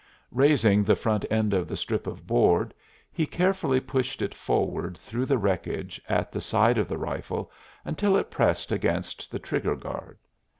Raising the front end of the strip of board, he carefully pushed it forward through the wreckage at the side of the rifle until it pressed against the trigger guard.